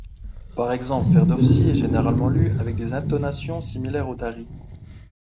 Par exemple, Ferdowsî est généralement lu avec des intonations similaires au dari.